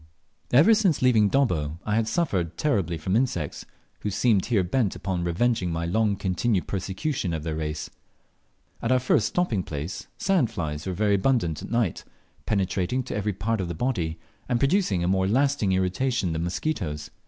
Ever since leaving Dobbo I had suffered terribly from insects, who seemed here bent upon revenging my long continued persecution of their race. At our first stopping place sand flies were very abundant at night, penetrating to every part of the body, and producing a more lasting irritation than mosquitoes.